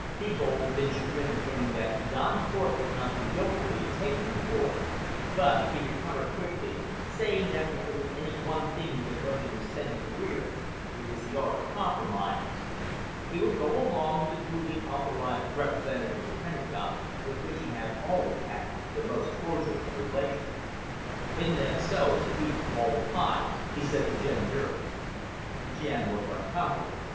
Thebold had been chagrined at learning that Don Cort was not the yokel he had taken him for. But he recovered quickly, saying that if there was any one thing he had learned in his Senate career it was the art of compromise. He would go along with the duly authorized representative of the Pentagon, with which he had always had the most cordial of relations. "Isn't that so, sweetest of all the pies?" he said to Jen Jervis. Jen looked uncomfortable.